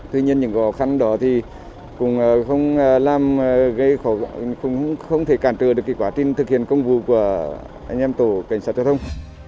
tuy nhiên những khó khăn đó cũng không thể cản trừ được quả tin thực hiện công vụ của anh em tổ cảnh sát giao thông